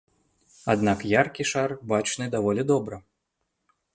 Аднак яркі шар бачны даволі добра.